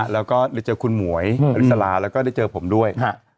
แล้วก็ได้เจอคุณหมวยอริสลาแล้วก็ได้เจอผมด้วย